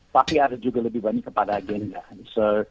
tapi ada juga lebih banyak kepada agenda